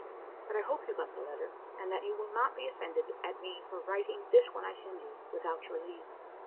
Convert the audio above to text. But I hope you got the letter, and that you will not be offended at me for writing this one I send you, without your leave.